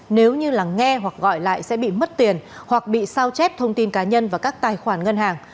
nếu như là nghe hoặc gọi lại sẽ bị mất tiền hoặc bị sao chép thông tin cá nhân và các tài khoản ngân hàng